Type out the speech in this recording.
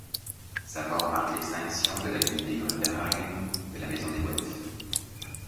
Sa mort marque l'extinction de la lignée de Grubenhagen de la maison des Welf.